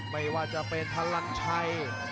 ไม่ว่าจะเป็นพลังชัย